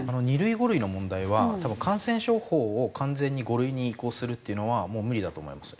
２類５類の問題は多分感染症法を完全に５類に移行するっていうのはもう無理だと思います